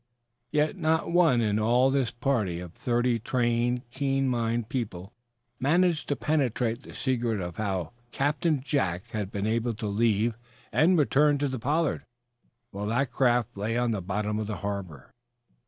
Yet not one in all this party of thirty trained, keen minded people managed to penetrate the secret of how Captain Jack had been able to leave and return to the "Pollard" while that craft lay on the bottom of the harbor.